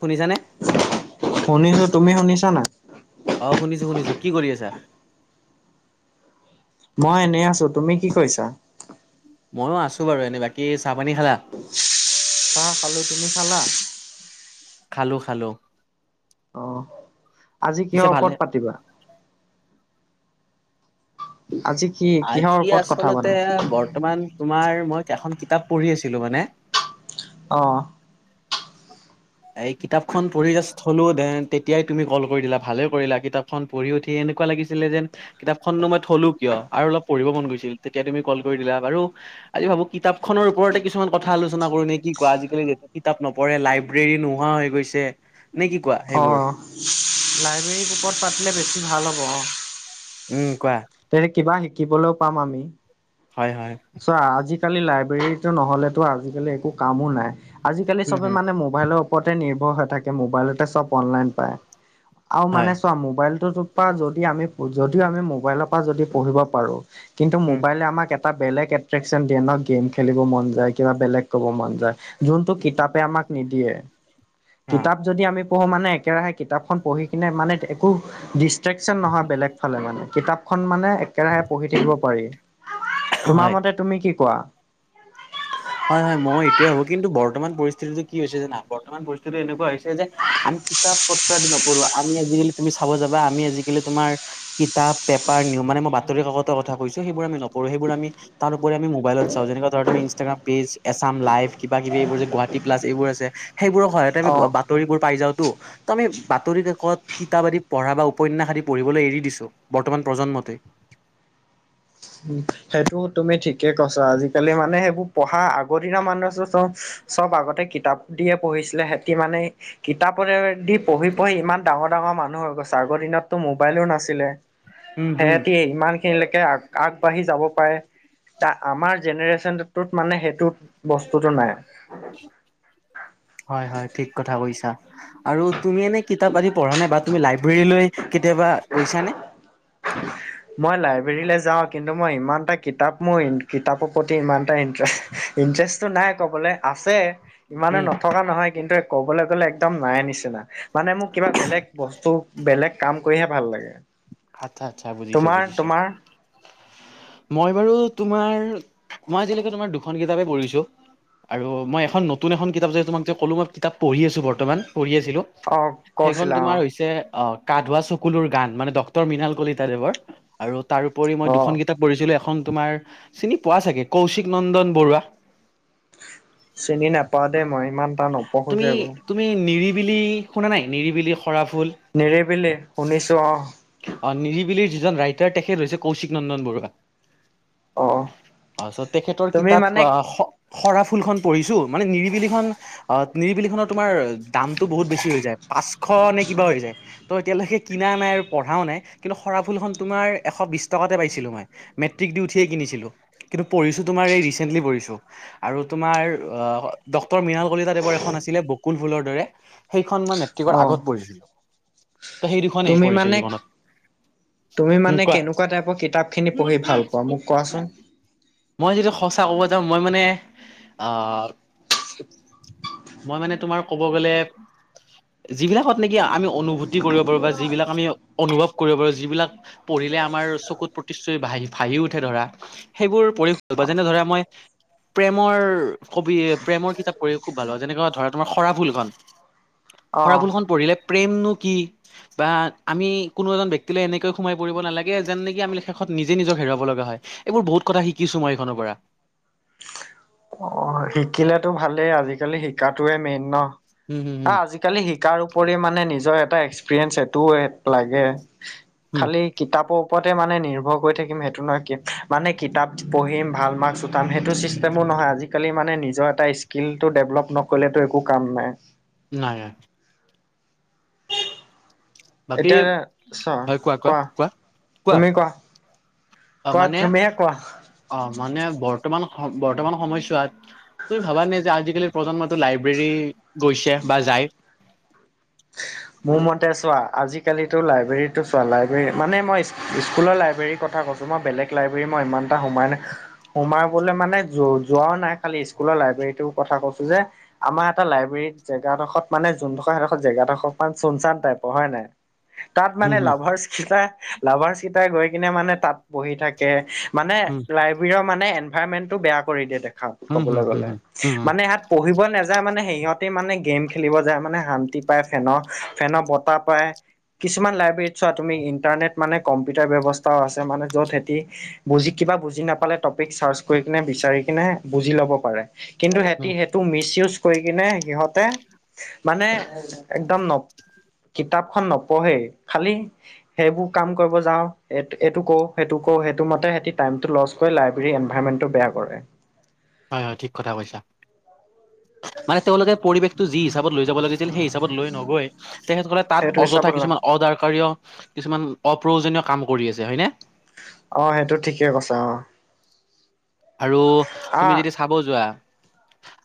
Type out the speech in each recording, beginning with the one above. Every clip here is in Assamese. শুনিছানে। শুনিছো তুমি শুনিছা নাই? অঁ' শুনিছো শুনিছো কি কৰি আছা? মই এনেই আছো। তুমি কি কৰিছা? ময়ো আছোঁ বাৰু এনেই বাকী চাহপানী খালা? অঁ' খালো তুমি খালা? খালো খালো। অঁ আজি পিছে কিহৰ ভালে ওপৰত পাতিবা। আজি কি কিহৰ আজি ওপৰত কথা আচলতে পাতা? বৰ্তমান তোমাৰ মই এখন কিতাপ পঢ়ি আছিলো মানে। অঁ' এই কিতাপখন পঢ়ি জাষ্ট থলো দেন তেতিয়াই তুমি কল কৰি দিলা ভালে কৰিলা কিতাপখন পঢ়ি উঠি এনেকুৱা লাগিছিলে যেন কিতাপখননো মই থলো কিয় আৰু অলপ পঢ়িব মন গৈছিল তেতিয়া তুমি কল কৰি দিলা বাৰু। আজি ভাবো কিতাপ খনৰওপৰতে কিছুমান কথা আলোচনা কৰো নে কি কোৱা আজিকালি যিহ কিতাপ নপৰে লাইব্ৰেৰী নোহোৱা হৈ গৈছে নে কি কোৱা সেইবোৰ অঁ'লাইব্ৰেৰী বুকত পাতিলে বেছি ভাল হ'ব অঁ' উম কোৱা। তেনে কিবা শিকিবলৈও পাম আমি। হয় হয়। চ' আজিকালি লাইব্ৰেৰীটো নহ'লেতো আজিকালি একো কামো নাই। আজিকালি উম হম চবে মানে মোবাইলৰ ওপৰতে নিৰ্ভৰ হৈ থাকে মোবাইলতে চব অনলাইন পায়। আও হয় মানে চোৱা মোবাইলটোতো- পা যদি আমি যদিও আমি মোবাইলৰ পৰা যদি পঢ়িব পাৰো কিন্তু, উম মোবাইলে আমাক এটা বেলেগ- কেট্ৰেকশ্যন দিয়ে ন গেম খেলিব মন যায় কিবা বেলেগ ক'ব মন যায়। যোনটো কিতাপে আমাক নিদিয়ে। অ কিতাপ- যদি আমি পঢ়ো মানে একেৰাহে কিতাপখন পঢ়ি কিনে মানে একো- ডিষ্ট্ৰেকচন নহয় বেলেগ ফালে মানে কিতাপখন মানে একেৰাহে পঢ়ি থাকিব পাৰি। তোমাৰ হয় মতে তুমি কি কোৱা? হয় হয়, ময়ো এইটোয়ে ভাবো, কিন্তু বৰ্তমান পৰিস্থিতিটো কি হৈছে জানা বৰ্তমান পৰিস্থিতিটো এনেকুৱা হৈছে যে- আমি কিতাপ পত্ৰ আদি নপঢ়ো আমি আজিকালি তুমি চাব যাবা আমি আজিকালি তোমাৰ- কিতাপ পেপাৰ নিয়ম মানে মই বাতৰি কাকতৰ কথা কৈছো সেইবোৰ আমি নপঢো সেইবোৰ আমি- তাৰ উপৰি আমি মোবাইলত চাওঁ যেনেকা ধৰা তুমি ইনষ্ট- ইষ্টাগ্ৰাম পেজ, এছাম লাইভ কিবা কিব এইবোৰ যে গুৱাহাটী প্লাছ এইবোৰ আছে সেইবোৰৰ সহায়তে আমি অ বা- তৰিবোৰ পাই যাওতো। ত আমি বাতৰি কাকত কিতাপ আদি পঢ়া বা উপন্যাস আদি পঢ়িবলৈ এৰি দিছো। বৰ্তমান প্ৰজন্মতে। সেইটো তুমি ঠিকে কৈছা আজিকালি মানে সেইবোৰ পঢ়া আগৰ দিনৰ মানুহ তো চব- চব আগতে কিতাপ দিয়ে পঢ়িছিলে সেঁতি মানে- কিতাপৰেদি পঢ়ি পঢ়ি ইমান ডাঙৰ ডাঙৰ মানুহ হৈ গৈছে আগৰ দিনততো মোবাইলো নাছিলে। উম হম সেহেঁতি ইমান খিনিলৈকে আগবাঢ়ি যাব পাৰে। তা আমাৰ জেনেৰেচনটোত মানে সেইটো বস্তুতোটো নাই। হয় হয়, ঠিক কথা কৈছা। আৰু তুমি এনেই কিতাপ আদি পঢ়া নে বা তুমি লাইব্ৰেৰীলৈ কেতিয়াবা গৈছা নে? মই লাইব্ৰেৰীলে যাওঁ, কিন্তু মই ইমান এটা কিতাপ মোৰ কিতাপৰ প্ৰতি ইমান- টা ইনট্ৰেষ্ট ইণ্টাৰেষ্টটো নাই কবলে আছে ইমানো উম নথকা নহয়, কিন্তু- ক'বলে গ'লে একদম নাই নিচিনা মানে মোক কিবা বেলেগ বস্তু বেলেগ কাম কৰিহে ভাল লাগে। আৎচ্ছা আৎচ্ছা বুজিছো তোমাৰ বুজিছো। তোমাৰ মই বাৰু তোমাৰ মই আজিলৈকে তোমাৰ দুখন কিতাপে পঢ়িছো। আৰু মই এখন নতুন এখন কিতাপ যে তোমাক যে কলো মই কিতাপ পঢি আছোঁ বৰ্তমান পঢ়ি আছিলোঁ। অ সেইখন কৈছিলা অ তোমাৰ হৈছে অঁ'। গা-ধোৱা চকুলৰ গান মানে ডক্টৰ মৃনাল কলিতাদেৱৰ আৰু তাৰ উপৰি মই অ দুখন কিতাপ- পঢ়িছিলো এখন তোমাৰ চিনি পোৱা চাগে কৌশিক নন্দন বৰুৱা। চিনি নাপাওঁ দেই মই ইমান- এটা নপঢ়ো যে তুমি এইবোৰ তুমি নিৰিবিলি শুনা নাই নিৰিবিলি সৰা ফুল। নিৰিবিলি শুনিছোঁ অঁ' অঁ' নিৰিবিলিৰ যিজন ৰাইটাৰ তেখেত হৈছে কৌশিক নন্দন বৰুৱা। অ পাছছ তেখেতৰ তুমি কিতাপ মানে আ হ- শৰা ফুলখন পঢ়িছো, মানে নিৰিবিলিখন- অ' নিৰিবিলি খনৰ তোমাৰ দামতটো বহুত বেছি হৈ যায় পাঁচশ নে কিবা হৈ যায়? ত এতিয়ালেকে কিনা নাই আৰু- পঢ়াও নাই, কিন্তু খৰা ফুলখন তোমাৰ এশ বিছ টকাতে পাইছিলোঁ মই মেট্ৰিক দি উঠিয়ে কিনিছিলোঁ। কিন্তু, পঢ়িছো তোমাৰ এই ৰিচেণ্টলি পঢ়িছো। আৰু তোমাৰ আহ ডক্টৰ মৃণাল কলিতাদেৱৰ এখন আছিলে বকুুল ফুলৰ দৰে। সেইখন মই মেট্ৰিকৰ অ আগত পঢ়িছিলো, ত সেই দুখনেই তুমি পঢ়িছিলো মানে জীৱনত। তুমি উম মানে কোৱা কেনেকুৱা টাইপৰ কিতাপ খিনি পঢ়ি ভাল পোৱা মোক কোৱাচোন? মই যদি সঁচা ক'ব যাওঁ মই মানে, আঁহ মই মানে তোমাৰ ক'ব গ'লে যিবিলাকত নেকি আমি অনুভূতি কৰিব পাৰোঁ, বা যিবিলাক আমি অনুভৱ কৰিব পাৰো, যিবিলাক পঢ়িললে আমাৰ চকুত প্ৰতিশ্ৰুতি ভাহি উঠে ধৰা। সেইবোৰ পৰিশ বা যেনে ধৰা মই প্ৰেমৰ কবি প্ৰেমৰ কিতাপ পঢ়ি খুব ভাল হয় যেনেকুৱা ধৰা তোমাৰ সৰা ফুলখন। অ সৰাফুলখন পঢ়িলে প্ৰেমনো কি বা আমি কোনো এজন ব্যক্তিলে এনেকৈ সোমাই পৰিব নালাগে যেন নেকি আমি শেষত নিজে নিজক হেৰুৱাব লগা হয়। এইবোৰ বহুত কথা শিকিছো মই এইখনৰ পৰা। অঁ শিকিলাতো ভালেই আজিকালি শিকাটোৱে মেইন ন। উম হুম হুম আজি কালি শিকাৰ উপৰিও মানে নিজৰ এটা এক্সপিৰিয়েন্ঞ্চ এইটোও লাগে। হুম খালি কিতাপৰ ওপৰতে মানে নিৰ্ভৰ কৰি থাকিম সেইটো নহয়, কি মানে কিতাপ পঢ়িম ভাল মাৰ্ক্স উঠাম, সেইটো ছিষ্টেমো নহয় আজিকালি মানে নিজৰ এটা স্কিলতটো ডেভলপ নকৰিলেতো একো কাম নাই। নাই। বাকী, এতিয়া হয় কোৱা কোৱা কোৱা? তুমি কোৱা? অ কোৱা মানে তুমিহে কোৱা। অ মানে বৰ্তমান বৰ্তমান সময়ছোৱাত। তুমি ভাবা নে যে আজিকালি প্ৰজন্মটো লাইব্ৰেৰী গৈছে বা যায়। [inaudible] মোৰ মতে চোৱা আজিকালিতো লাইব্ৰেৰীটো চোৱা লাইব্ৰেৰী মানে মই স্কুলৰ লাইব্ৰেৰীৰ কথা কৈ ছো, তোমাৰ বেলেগ লাইব্ৰেৰী মই ইমান এটা সোমাই নাই সোমাবলৈ মানে যো যোৱাও নাই। কালি স্কুলৰ লাইব্ৰেৰীটো কথা কৈছো যে আমাৰ এটা লাইব্ৰেৰীত জেগা ডখত মানে যোনডোখ সেইডখত জেগাডখৰ অকমান চোন চান টাইপৰ হয়‌ নাই? তাত মানে হুম লাভাছকেইটা লাভাছকিতাই গৈ কিনে মানে তাত বহি থাকে। মানে হুম লাই হোৰিঅ মানে এনভাইমেন্টটো বেয়া কৰি ‍ দিয়ে দেখাত হুম ক'বলৈ হুম হুম গ'লে হুম হুম হুম হুম মানে সেয়াত পঢ়িব নাযায় মানে সিহঁতি মানে গেম খেলিব যায় মানে শান্তিত পায় ফেনৰ, ফেনৰ বতাহ পায় কিছুমান লাইব্ৰেৰীত চোৱা তুমি ইণ্টাৰনেট মানে কম্পিউটাৰ ব্যৱস্থাও আছে মানে যত হেতি বুজি কিবা বুজি নাপালে টপিক চাৰ্চ কৰি কিনে বিচাৰি কিনে বুজি ল'ব পাৰে। কিন্তু সিহঁতি হুম সেইটো মিচ ইউজ কৰি কিনে সিহঁতে মানে একদম ন কিতাপখন নপঢ়েই, খালি সেইবোৰ কাম কৰিব যাওঁ, এইটো কও সেইটো কও সেইটো মতে সিতি টাইম টো লচ কৰি লাইব্ৰেৰী এনভাইৰেন্টমেণ্টো বেয়া কৰে। হয় হয় ঠিক কথা কৈছা। মানে তেওঁলোকে পৰিৱেশটো যি হিচাপত লৈ যাব লাগি ছিল সেই হিচাপত লৈ নগৈ তেখেতসকলে তাত সেইটো অযথা হিচাপত ন কিছুমান অদাকাৰীয় কিছুমান অপ্ৰয়োজনীয় কাম কৰি আছে হয়নে। অঁ সেইটো ঠিকে কৈছা অঁ। আৰু তুমি আহ যদি চাব যোৱা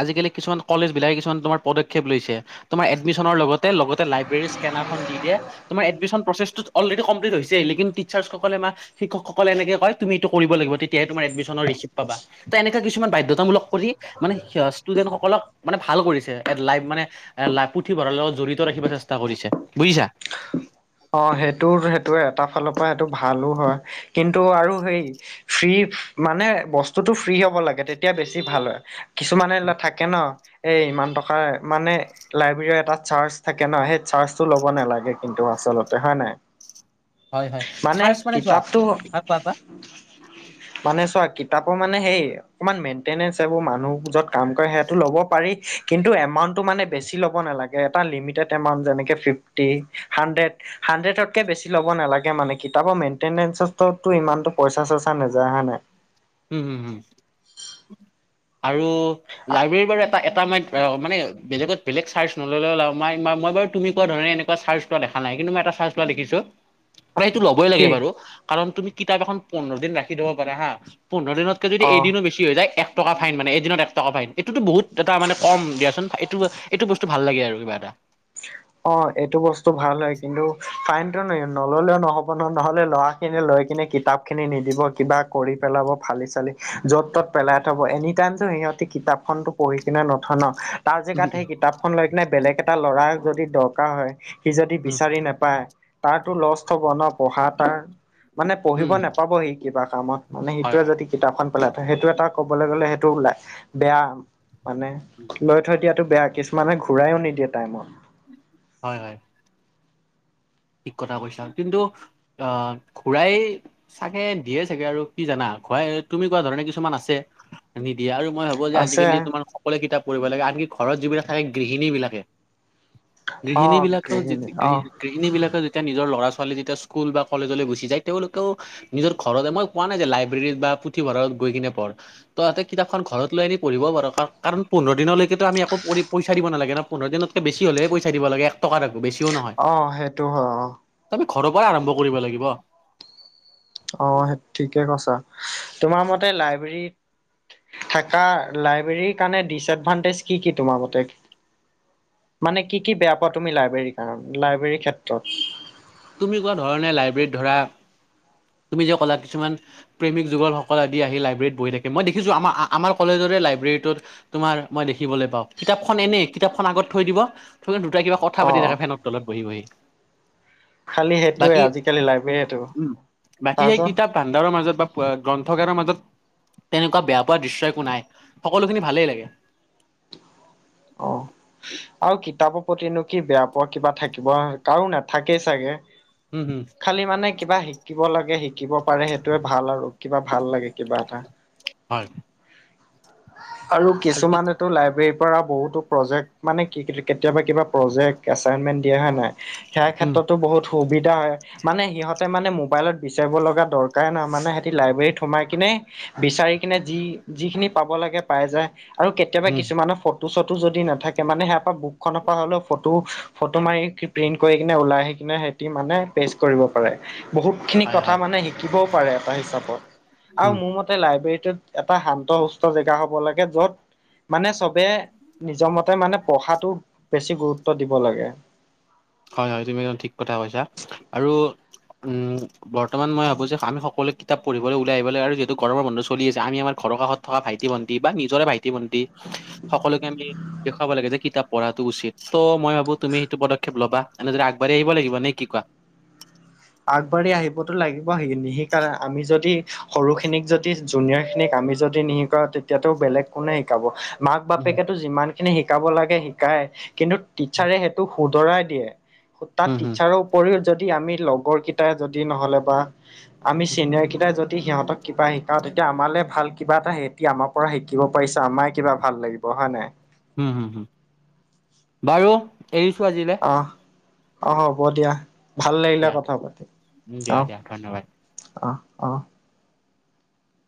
আজিকালি কিছুমান কলেজ বিলাকে কিছুমান তোমাৰ পদক্ষেপ লৈছে তোমাৰ এডমিশ্যনৰ লগতে, লগতে লাইব্ৰেৰী স্কেনাৰ খন দি দিয়ে। তোমাৰ এডমিশ্যন প্ৰচেছটো অলৰেডি কমপ্লিট হৈছে লেকিন টিচাৰ্চসকলে আমাৰ শিক্ষকসকলে এনেকে কয় তুমি এইটো কৰিব লাগিব, তেতিয়াহে তোমাৰ এডমিশ্যন ৰিচিপ পাবা। ত' এনেকা কিছুমান বাধ্যতামূলক কৰি মানে সি ষ্টুডেণ্টসকলক মানে ভাল কৰিছে এত লাইফ মানে এ লা পুথিভঁৰালৰ লগত জড়িত ৰাখিব চেষ্টা কৰিছে বুজিছা? অ সেইটো সেইটোৱে এটা ফালৰ পৰা সেইটো ভালো হয়। কিন্তু আৰু সেই ফ্ৰী মানে বস্তুটো ফ্ৰী হ'ব লাগে তেতিয়া বেছি ভাল হয়। কিছুমানে এইবিলাক থাকে ন, এ ইমান টকা মানে লাইব্ৰেৰীৰ এটা চাৰ্জ থাকে ন, সেই চাৰ্জটো ল'ব নালাগে কিন্তু আচলতে হয় নাই? হয় হয় চাৰ্চ মানে চোৱা, হয় কোৱা কোৱা? মানে চোৱা কিতাপৰ মানে হেৰিৰ অকমান মেইনটেনেন্স এইবোৰ মানুহ য'ত কাম কৰে সেইটো ল'ব পাৰি কিন্তু এমাউন্টটো মানে বেছি ল'ব নালা এটা লিমিটেড এমাউন্ট যেনেকে ফিফটি, হান্ডেট হান্ডেটতকে বেছি ল'ব নালাগে মানে কিতাপৰ মেইনটেনেন্সতটো টো ইমানটো পইচা - চইচা নেযায় হয় নে? উম হু হু আৰু লাইব্ৰেৰীৰ বাবে টা এটা মইত অ মানে বেলেগত বেলেগ চাৰ্জ নললেও লাই মই মই বাৰু তুমি কোৱা ধৰণে এনেকুৱা চাৰ্জ ত দেখা নাই কিন্তু মই এটা চাৰ্জ লোৱা দেখিছো প্ৰায়তো ল'বই কি লাগে বাৰু কাৰণ তুমি কিতাপ এখন পোন্ধৰ দিন ৰাখি থব পাৰে হা, পোন্ধৰ দিনত ত যদি অ এদিনো বেছি কি হৈ যায় এক টকা ফাইন মানে এদিনত এক টকা ফাইন এইটোতো বহুত এটা মানে কম দিয়াচোন ফা এইটো এইটো বস্তু ভাল লাগে আৰু কিবা এটা। অ এইটো বস্তু ভাল হয় কিন্তু ফাইনটো ন নললেও নহ'ব নহয় নহ'লে ল'ৰা খিনি লৈ কিনে কিতাপখিনি নিদিব, কিবা কৰি পেলাব, ফালি - চালি য'ত - ত'ত পেলাই থব, এনি টাইমতো সিহঁতি কিতাপখনতো পঢ়ি কিনে নথয় ন তাৰ উম জেগাত উম সেই কি তাপখন লৈ কিনে বেলেগ এটা ল'ৰাৰ যদি দৰকাৰ হয়, সি যদি উম বিচাৰি নেপায় তাৰতো লষ্ট হ'ব ন পঢ়া তাৰ মানে পঢ়িব উম নেপাব সি কিবা কামত মানে হয় সিটোৱে হয় যদি কিতাপখন পেলাই ত সেইটো এটা কবলৈ গ'লে সেইটো ওলাই, বেয়া মানে লৈ থৈ দিয়াটো বেয়া, কিছুমানে ঘূৰায়ো নিদিয়ে টাইমত। হয় হয়। ঠিক কথা কৈছা কিন্তু আহ ঘুৰাই চাগে দিয়ে চাগে আৰু কি জানা? ঘুৰাই তুমি কোৱা ধৰণে কিছুমান আছে নিদিয়ে আৰু মই ভাবো যে আছে আজিকালি তোমাৰ সকলোৱে কিতাপ পঢ়িব লাগে আনকি ঘৰত যিবিলাক থাকে গৃহিণীবিলাকে অ গৃহিণীবিলাকেও যি গৃহিণী তি গৃ অ গৃহিণীবিলাক ত যেতিয়া নিজৰ ল'ৰা - ছোৱালী যেতিয়া স্কুল বা কলেজলৈ গুচি যায় তেওঁলোকেও নিজৰ ঘৰতে, মই কোৱা নাই যে লাইব্ৰেৰীত বা পুথিভঁৰালত গৈ কিনে পঢ় তহঁতে কিতাপখন ঘৰত লৈ আনি পঢ়িব পাৰ কাৰ কাৰণ পোন্ধৰ দিনলৈকেতো আমি একো পঢ়ি পইচা দিব নালাগে ন পোন্ধৰ দিনত ত বেছি হলেহে পইচা দিব লাগে, এক টকা এটা বেছিও নহয় অ সেইটো হয় অ। তুমি ঘৰৰ পৰাই আৰম্ভ কৰিব লাগিব। অ সে ঠিকে কৈছা, তোমাৰ মতে লাইব্ৰেৰীত থাকা, লাইব্ৰেৰীৰ কাৰণে ডিচএডভানটেজ কি কি তোমাৰ মতে? মানে কি কি বেয়া পোৱা তুমি লাইব্ৰেৰীৰ কাৰণে লাইব্ৰেৰীৰ ক্ষেত্ৰত? তুমি কোৱা ধৰনে লাইব্ৰেৰীত ধৰা তুমি যে ক'লা কিছুমান প্ৰেমিক যুগলসকল আদি আহি লাইব্ৰেৰিত বহি থাকে, মই দেখিছোঁ আমাৰ আ আমাৰ কলেজৰে লাইব্ৰেৰিটোত তোমাৰ মই দেখিবলৈ পাওঁ, কিতাপখন এনেই কিতাপখন আগত থৈ দিব, থৈ দুটা কিবা কথা অ পাতি থাকে ফেনৰ তলত বহি - বহি। খালি সেইটোৱে বাকী আজিকালি লাইব্ৰেৰটো, উম বাকী সেই কিতাপ ভাণ্ডাৰৰ মাজত বা পোৱা গ্ৰন্থগাৰৰ মাজত। তেনেকুৱা বেয়া পোৱা দৃশ্য একো নাই সকলোখিনি ভালেই লাগে। অ আৰু কিতাপৰ প্ৰতিনো কি বেয়া পোৱা কিবা থাকিব কাৰো নাথাকেই চাগে উম হুম খালি মানে কিবা শিকিব লাগে শিকিব পাৰে সেইটোৱে ভাল আৰু কিবা ভাল লাগে কিবা এটা। হয়। আৰু কিছুমানেটো লাইব্ৰেৰীব পৰা বহুতো প্ৰজেক্ট মানে কি কেতিয়াবা কিবা প্ৰজেক্ট এচাইনমেন্ট দিয়া হয় নাই, সেইয়া উম ক্ষেত্ৰতো বহুত সুবিধা হয়। মানে সিহঁতে মানে মোবাইলত বিচাৰিব লগা দৰকাৰে নহয় মানে সিহতি লাইব্ৰেীত সোমাই কিনে, বিচাৰি কিনে যি যিখিনি পাব লাগে পাই যায় আৰু কেতিয়াবা উম কিছুমানৰ ফু, ফটো চটো যদি নাথাকে মানে সেয়াৰ পৰা বুকখনৰ পৰা হ'লেও ফটো ফটো মাৰি প্ৰিন্ট কৰি কিনে ওলাই আহি কিনে হে, মানে পেছ কৰিব পাৰে বহুত, খিনি হয় কথা হয় মানে শিকিবও পাৰে এটা হিচাপত আৰু উম মোৰ মতে, লাইব্ৰেৰীটোত এটা শান্ত সুস্থ জেগা হ'ব লাগে য'ত, মানে চবে নিজৰ মতে মানে পঢ়াটো বেছি গুৰুত্ব দিব লাগে। হয় হয় তুমি একদম ঠিক কথা কৈছা, আৰু বৰ্তমান মই ভাবো যে আমি সকলে কিতাপ পঢ়িবলৈ উলাই আহিব লাগে, আৰু যিহেতু বন্ধ গৰমৰ বন্ধ চলি আছে আমি আমৰ ঘৰৰ কষত, থকা ভাইটি ভণ্টি বা নিজৰে ভাইটি ভন্টি সকলোকে আমি, দেখুৱাব লাগে, যে কিতাপ পঢ়াটো উচিত ত মই ভাবো তুমি সেইটো পদ ক্ষেপ লবা, এনেদৰে আগবাহি আহিব লাগিব নে কি কোৱা? আগবাঢ়ি আহিবতো লাগিব সিনিক আমি যদি সৰু খিনিক যদি জুনিয়ৰ খিনিক আমি যদি নি, আ তেতিয়া টো বেলেগ কোনে শিকাব। মাক উম বাপেকেতো যিমান খিনি শিকাব লাগে শিকায় কিন্তু টিচাৰে, টো শুধৰাই দিয়ে সোতাত হম হম টিচাৰৰ উপৰিও যদি আমি লগ, সৰু কেইটাই যদি নহলে বা আমি চিনিয়ৰ কেইটাই যদি, দি সিহঁতক কিবা শিকাওঁ তেতিয়া আমালেই ভাল কিবা এটা সিহঁতি আমাৰ পৰা শিকিব পাৰিছে আমাৰে কিবা ভাল লাগিব। পঢ়া নাই? হম হুম হুম বাৰু এৰিছো আজিলে। অহ অহ হ'ব দিয়া ভাল লাগিলে দিয়া কথা পাতি উম, দিয়া অহ, দিয়া ধন্যবাদ অ অ।